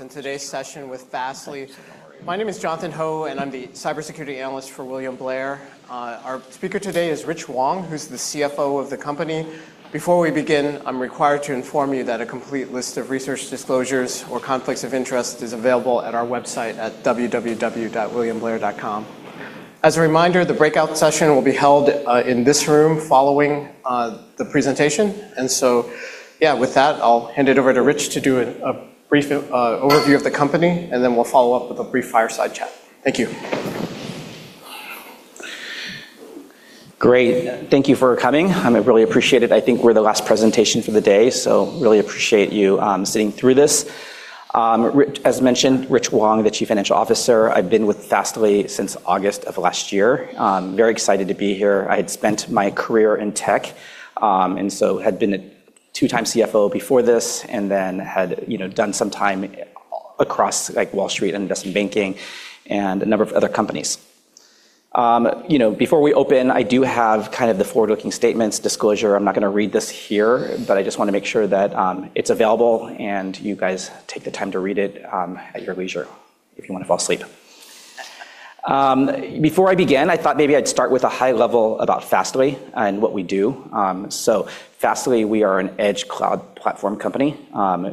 In today's session with Fastly. My name is Jonathan Ho, and I'm the cybersecurity analyst for William Blair. Our speaker today is Richard Wong, who's the CFO of the company. Before we begin, I'm required to inform you that a complete list of research disclosures or conflicts of interest is available at our website at www.williamblair.com. As a reminder, the breakout session will be held in this room following the presentation. With that, I'll hand it over to Richard to do a brief overview of the company, and then we'll follow up with a brief fireside chat. Thank you. Great. Thank you for coming. I really appreciate it. I think we're the last presentation for the day, so really appreciate you sitting through this. As mentioned, Richard Wong, the Chief Financial Officer. I've been with Fastly since August of last year. Very excited to be here. I had spent my career in tech. Had been a two-time CFO before this and then had done some time across Wall Street, investment banking, and a number of other companies. Before we open, I do have the forward-looking statements disclosure. I'm not going to read this here, but I just want to make sure that it's available and you guys take the time to read it at your leisure if you want to fall asleep. Before I begin, I thought maybe I'd start with a high level about Fastly and what we do. Fastly, we are an edge cloud platform company.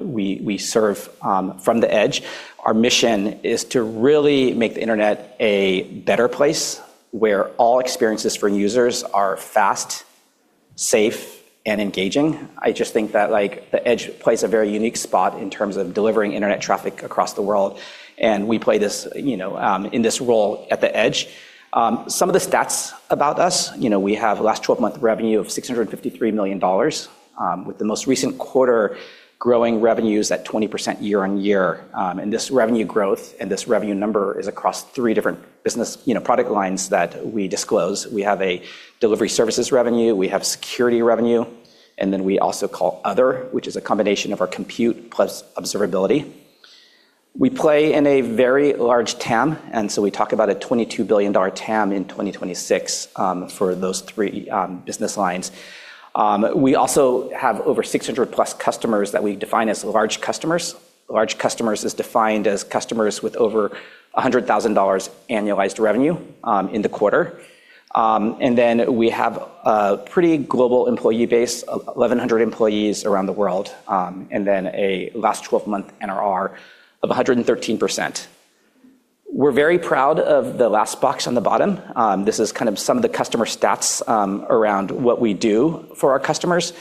We serve from the edge. Our mission is to really make the internet a better place where all experiences for users are fast, safe, and engaging. I just think that the edge plays a very unique spot in terms of delivering internet traffic across the world, and we play in this role at the edge. Some of the stats about us. We have last 12-month revenue of $653 million, with the most recent quarter growing revenues at 20% year-on-year. This revenue growth and this revenue number is across three different business product lines that we disclose. We have a delivery services revenue, we have security revenue, and then we also call other, which is a combination of our compute plus observability. We play in a very large TAM. We talk about a $22 billion TAM in 2026 for those three business lines. We also have over 600+ customers that we define as large customers. Large customers is defined as customers with over $100,000 annualized revenue in the quarter. We have a pretty global employee base of 1,100 employees around the world. A last 12-month NRR of 113%. We're very proud of the last box on the bottom. This is some of the customer stats around what we do for our customers.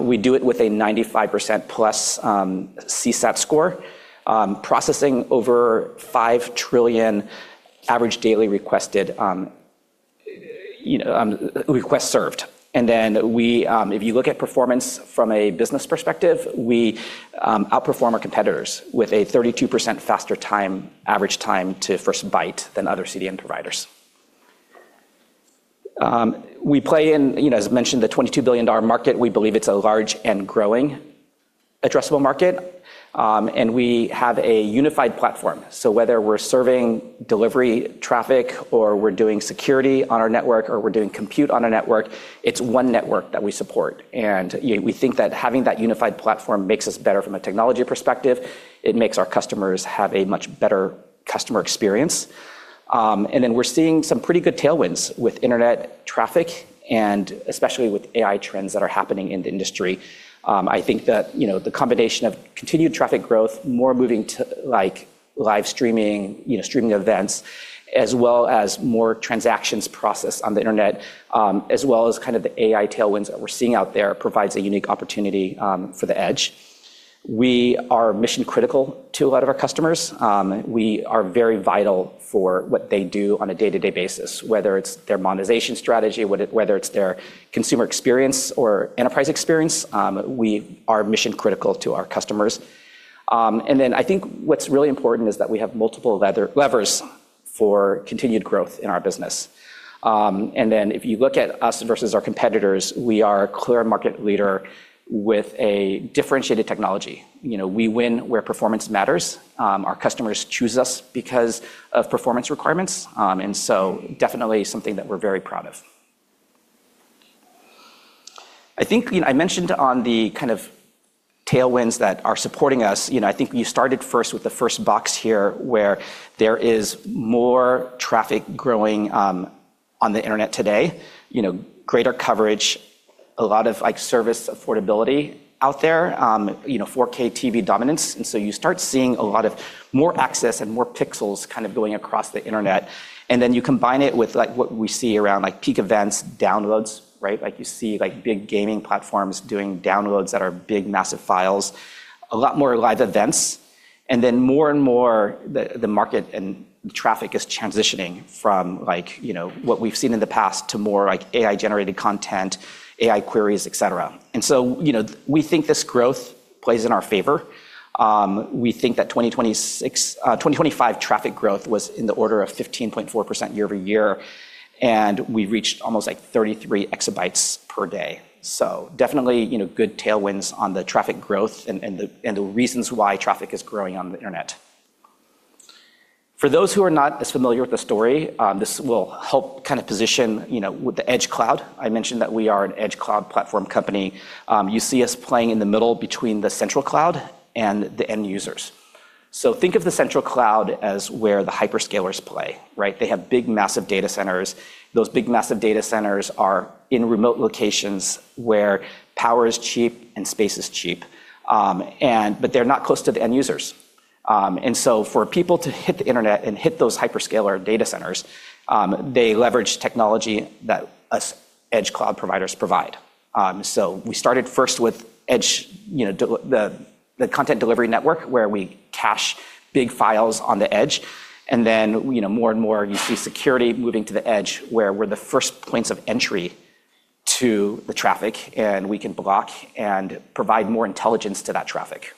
We do it with a 95%+ CSAT score, processing over five trillion average daily request served. If you look at performance from a business perspective, we outperform our competitors with a 32% faster average time to first byte than other CDN providers. We play in, as mentioned, the $22 billion market. We believe it's a large and growing addressable market. We have a unified platform. Whether we're serving delivery traffic or we're doing security on our network or we're doing compute on our network, it's one network that we support. We think that having that unified platform makes us better from a technology perspective. It makes our customers have a much better customer experience. We're seeing some pretty good tailwinds with internet traffic and especially with AI trends that are happening in the industry. I think that the combination of continued traffic growth, more moving to live streaming events, as well as more transactions processed on the internet, as well as the AI tailwinds that we're seeing out there provides a unique opportunity for the edge. We are mission-critical to a lot of our customers. We are very vital for what they do on a day-to-day basis, whether it's their monetization strategy, whether it's their consumer experience or enterprise experience. We are mission-critical to our customers. I think what's really important is that we have multiple levers for continued growth in our business. If you look at us versus our competitors, we are a clear market leader with a differentiated technology. We win where performance matters. Our customers choose us because of performance requirements. Definitely something that we're very proud of. I mentioned on the tailwinds that are supporting us, I think you started first with the first box here where there is more traffic growing on the internet today, greater coverage, a lot of service affordability out there, 4K TV dominance. You start seeing a lot of more access and more pixels going across the internet. You combine it with what we see around peak events, downloads. You see big gaming platforms doing downloads that are big, massive files, a lot more live events. More and more, the market and traffic is transitioning from what we've seen in the past to more AI-generated content, AI queries, et cetera. We think this growth plays in our favor. We think that 2025 traffic growth was in the order of 15.4% year-over-year, and we reached almost 33 exabytes per day. Definitely good tailwinds on the traffic growth and the reasons why traffic is growing on the internet. For those who are not as familiar with the story, this will help position with the edge cloud. I mentioned that we are an edge cloud platform company. You see us playing in the middle between the central cloud and the end users. Think of the central cloud as where the hyperscalers play. They have big, massive data centers. Those big, massive data centers are in remote locations where power is cheap and space is cheap. They're not close to the end users. For people to hit the internet and hit those hyperscaler data centers, they leverage technology that us edge cloud providers provide. We started first with the content delivery network, where we cache big files on the edge, then more and more you see security moving to the edge where we're the first points of entry to the traffic, and we can block and provide more intelligence to that traffic.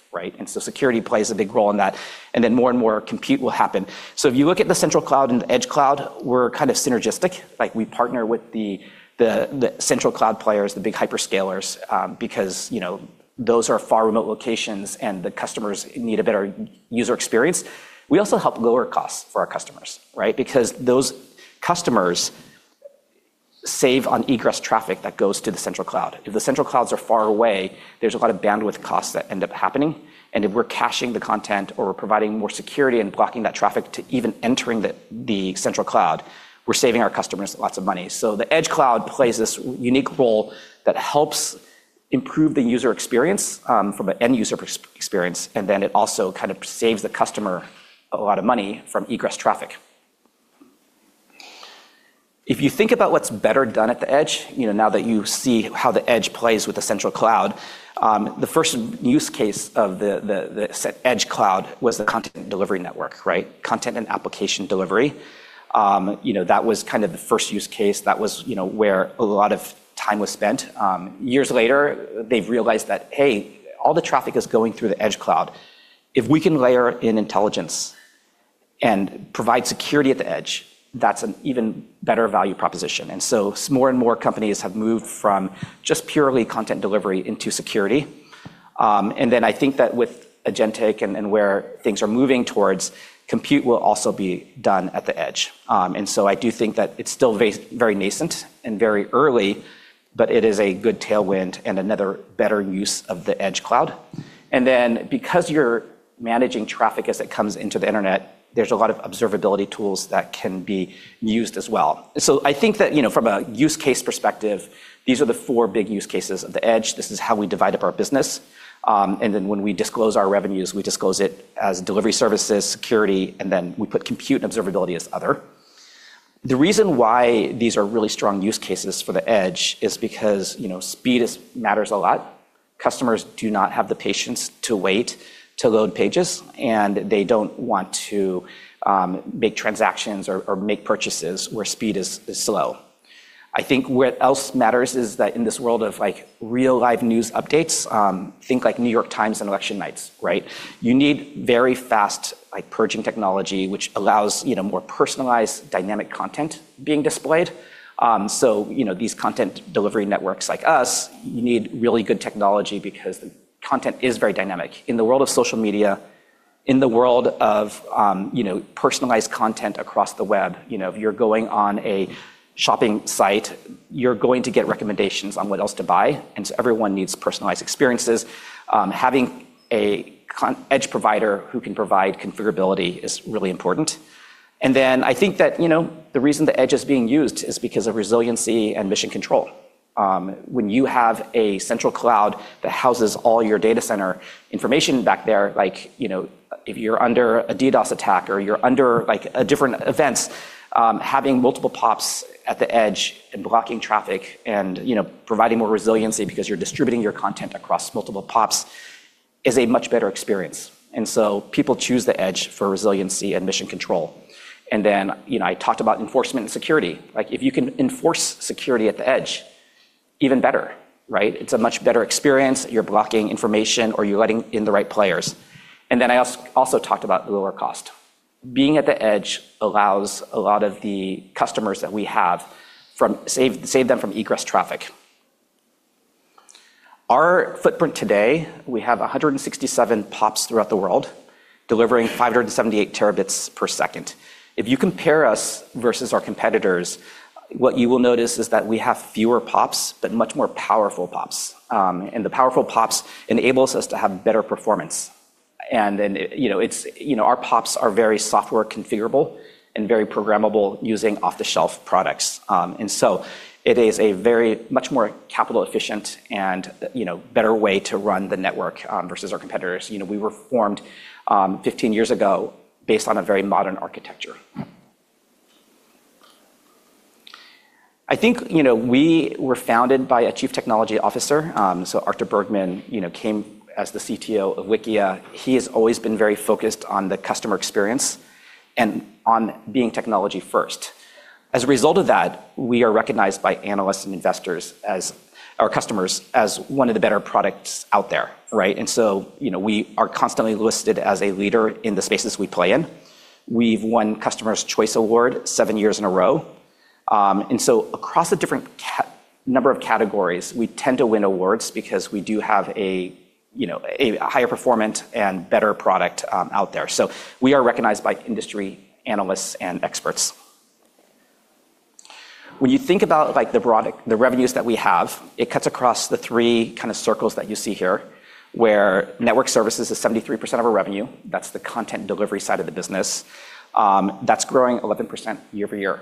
Security plays a big role in that, then more and more compute will happen. If you look at the central cloud and the edge cloud, we're synergistic. We partner with the central cloud players, the big hyperscalers because those are far remote locations and the customers need a better user experience. We also help lower costs for our customers. Because those customers save on egress traffic that goes to the central cloud. If the central clouds are far away, there's a lot of bandwidth costs that end up happening, and if we're caching the content or providing more security and blocking that traffic to even entering the central cloud, we're saving our customers lots of money. The edge cloud plays this unique role that helps improve the user experience from an end user experience, and then it also saves the customer a lot of money from egress traffic. If you think about what's better done at the edge, now that you see how the edge plays with the central cloud, the first use case of the edge cloud was the content delivery network. Content and application delivery. That was the first use case. That was where a lot of time was spent. Years later, they've realized that, hey, all the traffic is going through the edge cloud. If we can layer in intelligence and provide security at the edge, that's an even better value proposition. More and more companies have moved from just purely content delivery into security. I think that with agentic and where things are moving towards, compute will also be done at the edge. I do think that it's still very nascent and very early, but it is a good tailwind and another better use of the edge cloud. Because you're managing traffic as it comes into the internet, there's a lot of observability tools that can be used as well. I think that from a use case perspective, these are the four big use cases of the edge. This is how we divide up our business. When we disclose our revenues, we disclose it as delivery services, security, we put compute and observability as other. The reason why these are really strong use cases for the edge is because speed matters a lot. Customers do not have the patience to wait to load pages, and they don't want to make transactions or make purchases where speed is slow. I think what else matters is that in this world of real live news updates, think The New York Times on election nights. You need very fast purging technology which allows more personalized dynamic content being displayed. These content delivery networks like us, you need really good technology because the content is very dynamic. In the world of social media, in the world of personalized content across the web, If you're going on a shopping site, you're going to get recommendations on what else to buy, and so everyone needs personalized experiences. Having an edge provider who can provide configurability is really important. I think that the reason the edge is being used is because of resiliency and mission control. When you have a central cloud that houses all your data center information back there, if you're under a DDoS attack or you're under different events, having multiple POPs at the edge and blocking traffic and providing more resiliency because you're distributing your content across multiple POPs is a much better experience. People choose the edge for resiliency and mission control. I talked about enforcement and security. If you can enforce security at the edge, even better. It's a much better experience. You're blocking information or you're letting in the right players. I also talked about lower cost. Being at the edge allows a lot of the customers that we have, save them from egress traffic. Our footprint today, we have 167 POPs throughout the world delivering 578 terabits per second. If you compare us versus our competitors, what you will notice is that we have fewer POPs, but much more powerful POPs. The powerful POPs enables us to have better performance. Our POPs are very software configurable and very programmable using off-the-shelf products. It is a very much more capital efficient and better way to run the network versus our competitors. We were formed 15 years ago based on a very modern architecture. I think we were founded by a chief technology officer. Artur Bergman came as the CTO of Wikia. He has always been very focused on the customer experience and on being technology first. As a result of that, we are recognized by analysts and investors as our customers, as one of the better products out there. We are constantly listed as a leader in the spaces we play in. We've won Customers' Choice Award seven years in a row. Across a different number of categories, we tend to win awards because we do have a higher performance and better product out there. We are recognized by industry analysts and experts. When you think about the revenues that we have, it cuts across the three kind of circles that you see here, where Network Services is 73% of our revenue. That's the content delivery side of the business. That's growing 11% year-over-year.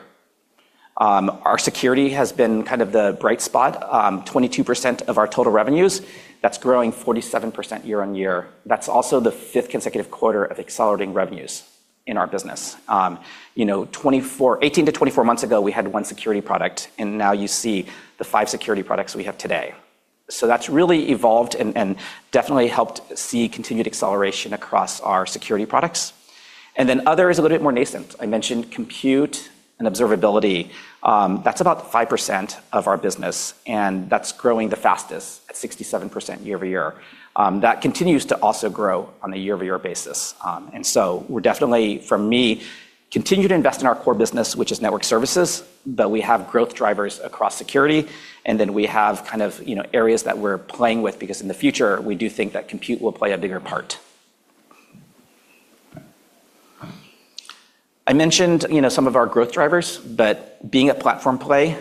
Our security has been kind of the bright spot, 22% of our total revenues. That's growing 47% year-on-year. That's also the fifth consecutive quarter of accelerating revenues in our business. 18-24 months ago, we had one security product, and now you see the five security products we have today. That's really evolved and definitely helped see continued acceleration across our security products. Other is a little bit more nascent. I mentioned compute and observability. That's about 5% of our business, and that's growing the fastest at 67% year-over-year. That continues to also grow on a year-over-year basis. We're definitely, for me, continue to invest in our core business, which is Network Services, but we have growth drivers across security, and then we have areas that we're playing with because in the future, we do think that compute will play a bigger part. I mentioned some of our growth drivers, but being a platform play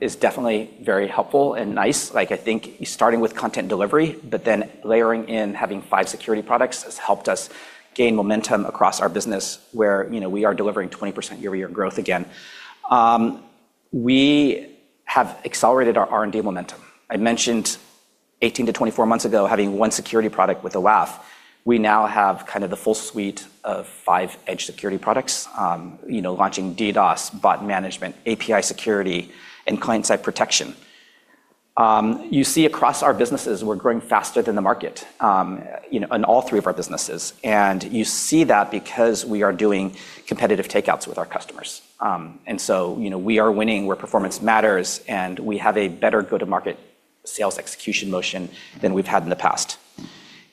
is definitely very helpful and nice. I think starting with content delivery, layering in having five security products has helped us gain momentum across our business, where we are delivering 20% year-over-year growth again. We have accelerated our R&D momentum. I mentioned 18-24 months ago, having one security product with a WAF. We now have kind of the full suite of five edge security products, launching DDoS, bot management, API security, and client-side protection. You see across our businesses, we're growing faster than the market, in all three of our businesses. You see that because we are doing competitive takeouts with our customers. We are winning where performance matters, and we have a better go-to-market sales execution motion than we've had in the past.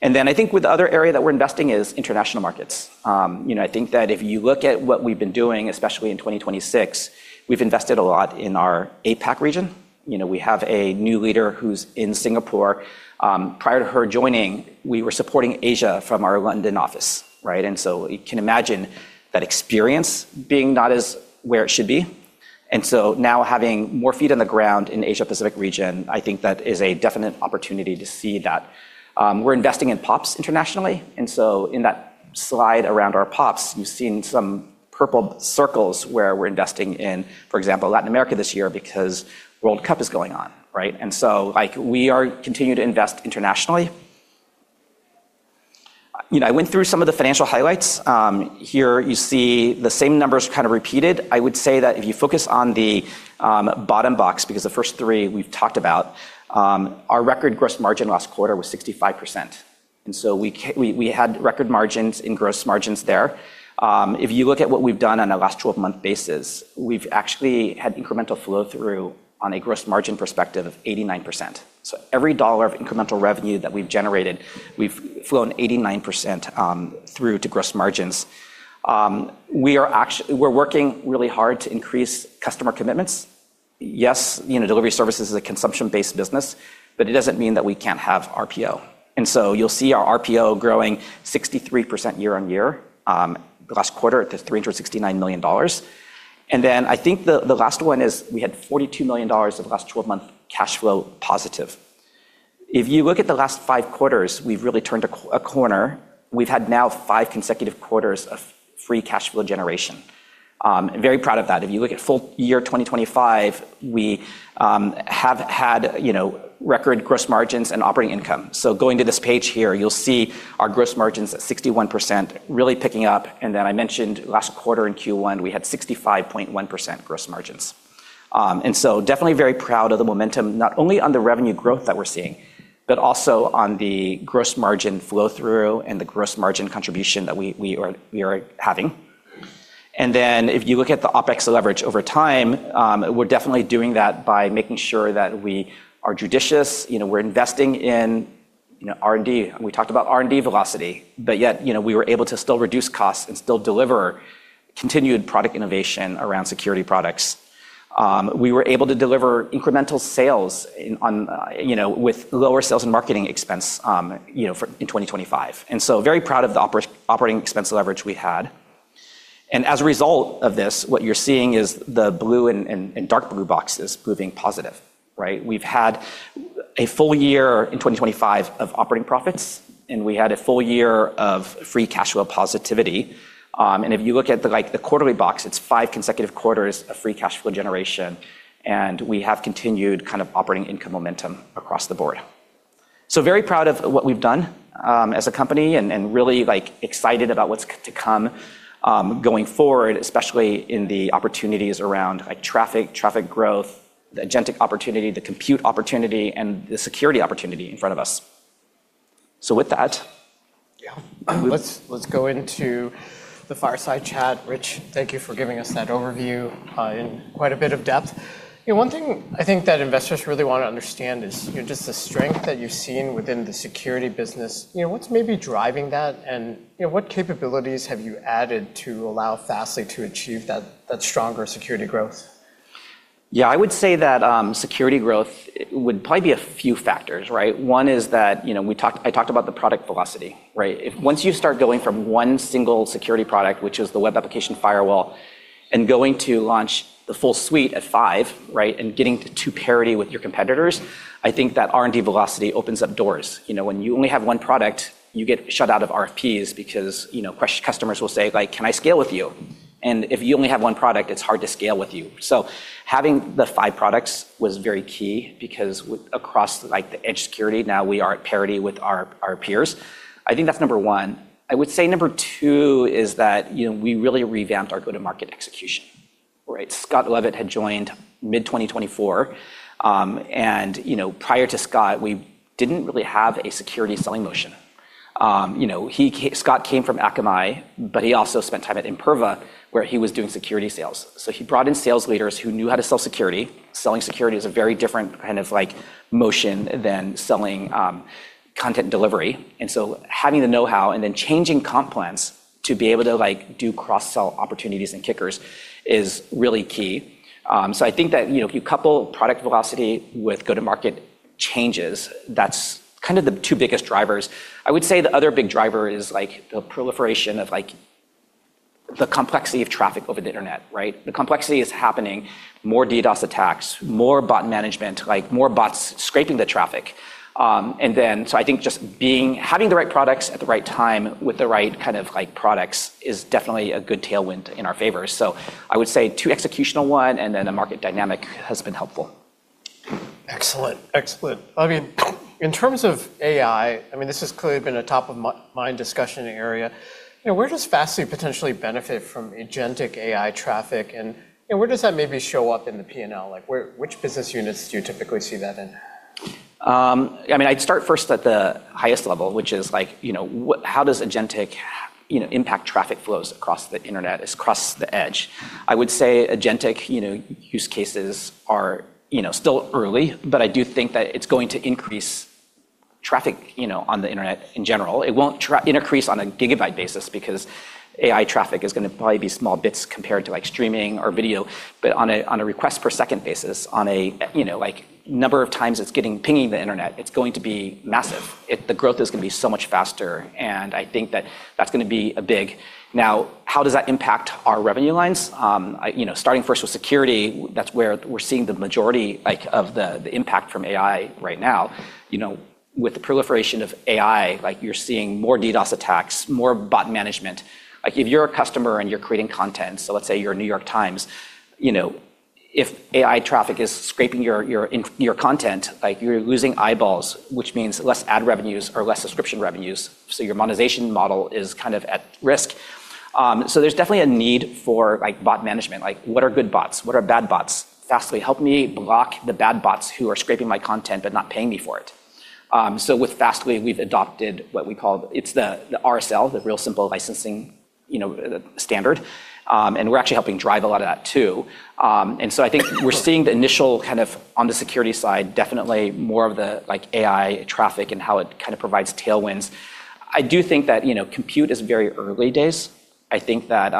I think with the other area that we're investing is international markets. I think that if you look at what we've been doing, especially in 2026, we've invested a lot in our APAC region. We have a new leader who's in Singapore. Prior to her joining, we were supporting Asia from our London office. You can imagine that experience being not as where it should be. Now having more feet on the ground in Asia-Pacific region, I think that is a definite opportunity to see that. We're investing in POPs internationally, and so in that slide around our POPs, you've seen some purple circles where we're investing in, for example, Latin America this year because World Cup is going on. We are continuing to invest internationally. I went through some of the financial highlights. Here, you see the same numbers kind of repeated. I would say that if you focus on the bottom box, because the first three we've talked about, our record gross margin last quarter was 65%. We had record margins and gross margins there. If you look at what we've done on a last 12-month basis, we've actually had incremental flow-through on a gross margin perspective of 89%. Every dollar of incremental revenue that we've generated, we've flown 89% through to gross margins. We're working really hard to increase customer commitments. Yes, Delivery Services is a consumption-based business, but it doesn't mean that we can't have RPO. You'll see our RPO growing 63% year-on-year, last quarter to $369 million. I think the last one is we had $42 million of the last 12-month cash flow positive. If you look at the last five quarters, we've really turned a corner. We've had now five consecutive quarters of free cash flow generation. Very proud of that. If you look at full year 2025, we have had record gross margins and operating income. Going to this page here, you'll see our gross margins at 61% really picking up, and then I mentioned last quarter in Q1, we had 65.1% gross margins. Definitely very proud of the momentum, not only on the revenue growth that we're seeing, But also on the gross margin flow-through and the gross margin contribution that we are having. If you look at the OpEx leverage over time, we're definitely doing that by making sure that we are judicious. We're investing in R&D. We talked about R&D velocity, but yet, we were able to still reduce costs and still deliver continued product innovation around security products. We were able to deliver incremental sales with lower sales and marketing expense in 2025. Very proud of the operating expense leverage we had. As a result of this, what you're seeing is the blue and dark blue boxes moving positive. We've had a full year in 2025 of operating profits, and we had a full year of free cash flow positivity. If you look at the quarterly box, It's five consecutive quarters of free cash flow generation, and we have continued operating income momentum across the board. Very proud of what we've done as a company and really excited about what's to come going forward, especially in the opportunities around traffic growth, the agentic opportunity, the compute opportunity, and the security opportunity in front of us. With that Yeah. Let's go into the fireside chat. Richard, thank you for giving us that overview in quite a bit of depth. One thing I think that investors really want to understand is just the strength that you've seen within the security business. What's maybe driving that, and what capabilities have you added to allow Fastly to achieve that stronger security growth? I would say that security growth would probably be a few factors, right? One is that I talked about the product velocity, right? Once you start going from one single security product, which is the web application firewall, and going to launch the full suite at five, right, and getting to parity with your competitors, I think that R&D velocity opens up doors. When you only have one product, you get shut out of RFPs because customers will say, "Can I scale with you?" If you only have one product, it's hard to scale with you. Having the five products was very key because across the edge security, now we are at parity with our peers. I think that's number one. I would say number two is that we really revamped our go-to-market execution, right? Scott Lovett had joined mid-2024. Prior to Scott, we didn't really have a security selling motion. Scott came from Akamai, but he also spent time at Imperva, where he was doing security sales. He brought in sales leaders who knew how to sell security. Selling security is a very different kind of motion than selling content delivery. Having the know-how and then changing comp plans to be able to do cross-sell opportunities and kickers is really key. I think that if you couple product velocity with go-to-market changes, that's kind of the two biggest drivers. I would say the other big driver is the proliferation of the complexity of traffic over the internet, right? The complexity is happening, more DDoS attacks, more bot management, more bots scraping the traffic. I think just having the right products at the right time with the right kind of products is definitely a good tailwind in our favor. I would say two, executional one, and then the market dynamic has been helpful. Excellent. In terms of AI, this has clearly been a top-of-mind discussion area. Where does Fastly potentially benefit from agentic AI traffic, and where does that maybe show up in the P&L? Which business units do you typically see that in? I'd start first at the highest level, which is, how does agentic impact traffic flows across the internet, across the edge? I would say agentic use cases are still early, I do think that it's going to increase traffic on the internet in general. It won't increase on a gigabyte basis because AI traffic is going to probably be small bits compared to streaming or video. On a requests per second basis, on a number of times it's pinging the internet, it's going to be massive. The growth is going to be so much faster, I think that that's going to be big. How does that impact our revenue lines? Starting first with security, that's where we're seeing the majority of the impact from AI right now. With the proliferation of AI, you're seeing more DDoS attacks, more bot management. If you're a customer and you're creating content, let's say you're The New York Times, if AI traffic is scraping your content, you're losing eyeballs, which means less ad revenues or less subscription revenues. Your monetization model is kind of at risk. There's definitely a need for bot management. What are good bots? What are bad bots? Fastly, help me block the bad bots who are scraping my content but not paying me for it. With Fastly, we've adopted what we call, it's the RSL, the Real Simple Licensing standard. We're actually helping drive a lot of that, too. I think we're seeing the initial, on the security side, definitely more of the AI traffic and how it kind of provides tailwinds. I do think that compute is very early days. I think that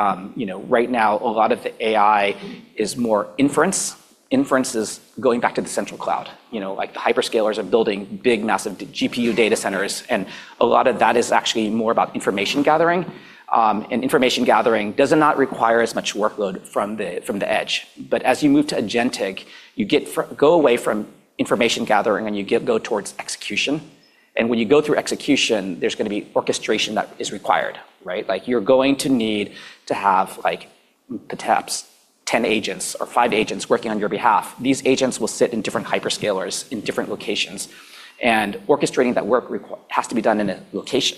right now, a lot of the AI is more inference. Inference is going back to the central cloud. The hyperscalers are building big, massive GPU data centers, and a lot of that is actually more about information gathering. Information gathering does not require as much workload from the edge. As you move to agentic, you go away from information gathering, and you go towards execution. When you go through execution, there's going to be orchestration that is required, right? You're going to need to have perhaps 10 agents or five agents working on your behalf. These agents will sit in different hyperscalers in different locations. Orchestrating that work has to be done in a location,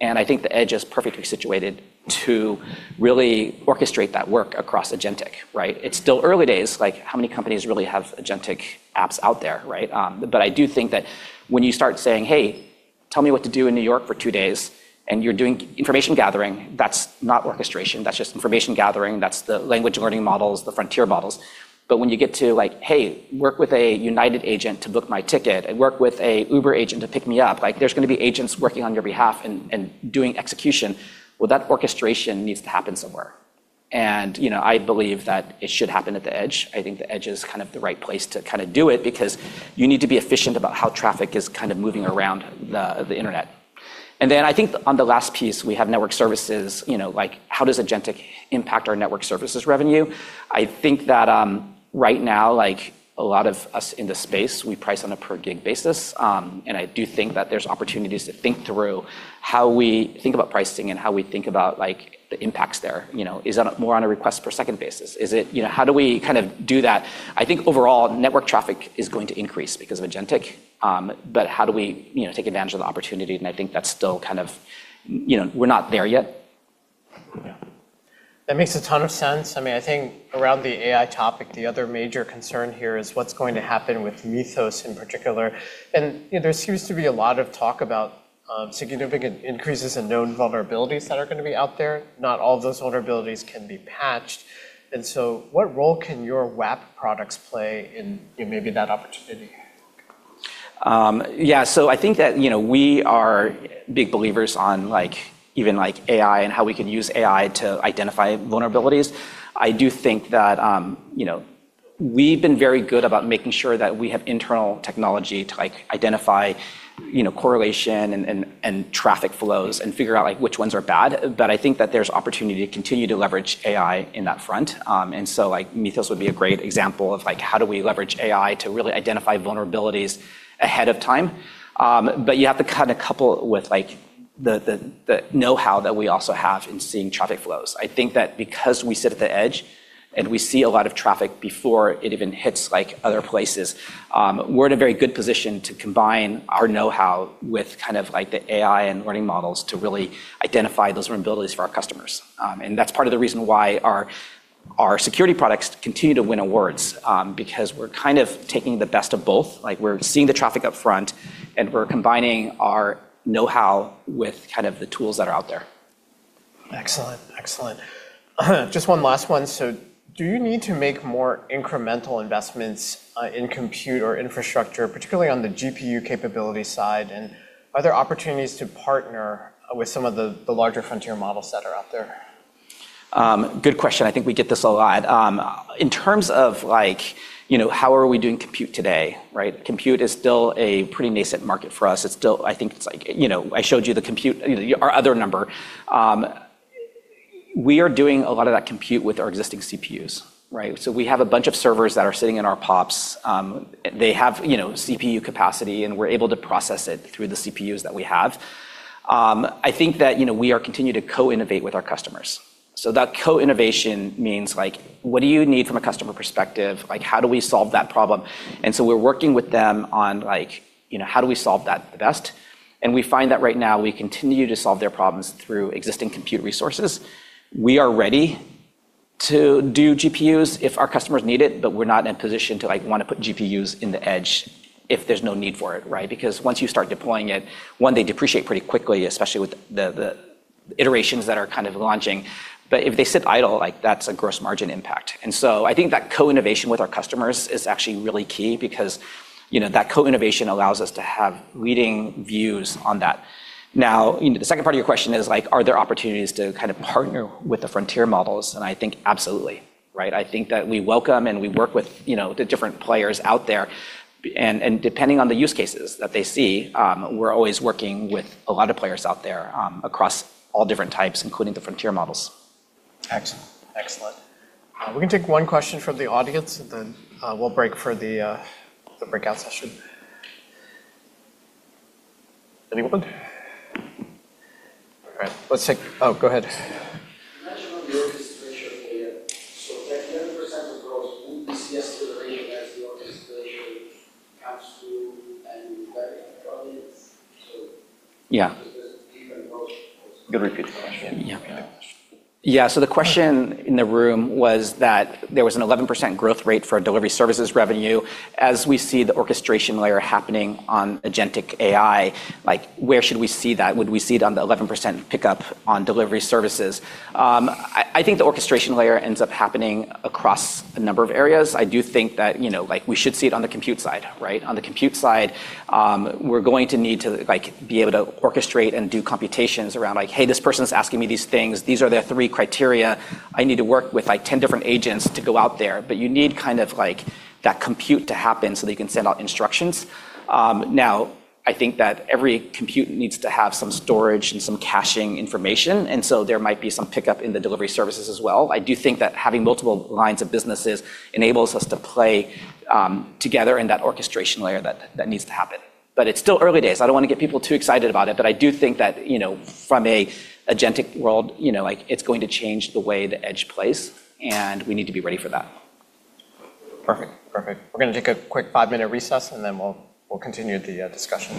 and I think the edge is perfectly situated to really orchestrate that work across agentic, right? It's still early days. How many companies really have agentic apps out there, right? I do think that when you start saying, "Hey, tell me what to do in New York for two days," and you're doing information gathering, that's not orchestration. That's just information gathering. That's the large language models, the frontier models. When you get to, "Hey, work with a United agent to book my ticket, and work with an Uber agent to pick me up," there's going to be agents working on your behalf and doing execution. That orchestration needs to happen somewhere. I believe that it should happen at the edge. I think the edge is the right place to do it because you need to be efficient about how traffic is moving around the internet. Then I think on the last piece, we have network services, like how does agentic impact our network services revenue? I think that right now, a lot of us in the space, we price on a per gig basis. I do think that there's opportunities to think through how we think about pricing and how we think about the impacts there. Is that more on a request per second basis? How do we do that? I think overall, network traffic is going to increase because of agentic. How do we take advantage of the opportunity? I think that's still kind of, we're not there yet. Yeah. That makes a ton of sense. I think around the AI topic, the other major concern here is what's going to happen with Mythos in particular. There seems to be a lot of talk about significant increases in known vulnerabilities that are going to be out there. Not all of those vulnerabilities can be patched. So what role can your WAF products play in maybe that opportunity? Yeah. I think that we are big believers on even AI and how we can use AI to identify vulnerabilities. I do think that we've been very good about making sure that we have internal technology to identify correlation and traffic flows and figure out which ones are bad. I think that there's opportunity to continue to leverage AI in that front. Mythos would be a great example of how do we leverage AI to really identify vulnerabilities ahead of time. You have to couple with the knowhow that we also have in seeing traffic flows. I think that because we sit at the edge and we see a lot of traffic before it even hits other places, we're in a very good position to combine our knowhow with the AI and learning models to really identify those vulnerabilities for our customers. That's part of the reason why our security products continue to win awards, because we're taking the best of both. We're seeing the traffic up front, and we're combining our knowhow with the tools that are out there. Excellent. Just one last one. Do you need to make more incremental investments in compute or infrastructure, particularly on the GPU capability side? Are there opportunities to partner with some of the larger frontier models that are out there? Good question. I think we get this a lot. In terms of how are we doing compute today, right? Compute is still a pretty nascent market for us. I showed you our other number. We are doing a lot of that compute with our existing CPUs, right? We have a bunch of servers that are sitting in our POPs. They have CPU capacity, and we're able to process it through the CPUs that we have. I think that we are continuing to co-innovate with our customers. That co-innovation means what do you need from a customer perspective? How do we solve that problem? We're working with them on how do we solve that the best, and we find that right now we continue to solve their problems through existing compute resources. We are ready to do GPUs if our customers need it, but we're not in a position to want to put GPUs in the edge if there's no need for it, right? Once you start deploying it, one, they depreciate pretty quickly, especially with the iterations that are launching. If they sit idle, that's a gross margin impact. I think that co-innovation with our customers is actually really key because that co-innovation allows us to have leading views on that. Now, the second part of your question is, are there opportunities to partner with the frontier models? I think absolutely, right? I think that we welcome and we work with the different players out there, and depending on the use cases that they see, we're always working with a lot of players out there across all different types, including the frontier models. Excellent. We're going to take one question from the audience, then we'll break for the breakout session. Anyone? All right. Go ahead. Imagine on the orchestration layer. 11% of growth we see is related as the orchestration comes to agentic AI. Yeah, There's even growth- Could you repeat the question? The question in the room was that there was an 11% growth rate for our delivery services revenue. As we see the orchestration layer happening on agentic AI, where should we see that? Would we see it on the 11% pickup on delivery services? I think the orchestration layer ends up happening across a number of areas. I do think that we should see it on the compute side, right? On the compute side, we're going to need to be able to orchestrate and do computations around, like, "Hey, this person's asking me these things. These are their three criteria. I need to work with 10 different agents to go out there." You need that compute to happen so that you can send out instructions. I think that every compute needs to have some storage and some caching information, and so there might be some pickup in the delivery services as well. I do think that having multiple lines of businesses enables us to play together in that orchestration layer that needs to happen. It's still early days. I don't want to get people too excited about it, but I do think that from an agentic world, it's going to change the way the edge plays, and we need to be ready for that. Perfect. We're going to take a quick five-minute recess, and then we'll continue the discussion